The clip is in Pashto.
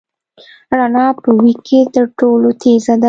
رڼا په وېګ کې تر ټولو تېز ده.